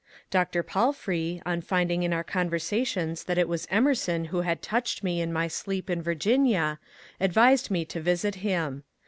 Dr. Palfrey, on find ing in our conversations that it was Emerson who had touched me in my sleep in Virginia, advised me to visit him.